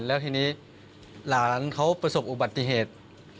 แล้วทีนี้หลานเขาประสบอุบัติเหตุ